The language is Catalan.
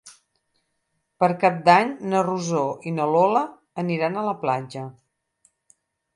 Per Cap d'Any na Rosó i na Lola aniran a la platja.